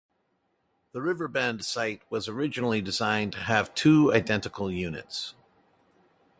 The River Bend site was originally designed to have two identical units.